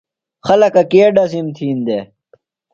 خلکہ کے ڈزِم تھین دےۡ؟